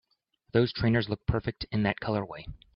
Those trainers look perfect in that colorway!